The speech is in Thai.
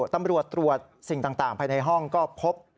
ตำรวจตรวจสิ่งต่างภายในห้องก็พบ